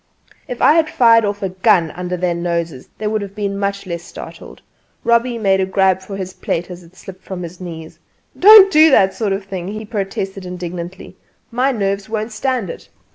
'" If I had fired off a gun under their noses they would have been much less startled. Robbie made a grab for his plate as it slipped from his knees. "Don't do that sort of thing!" he protested indignantly. "My nerves won't stand it!"